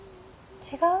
違う？